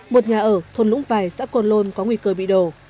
một nhà ở thôn lũng vài xã cồn lôn có nguy cơ bị đổ